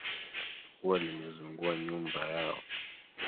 Ua limezungua nyumba yao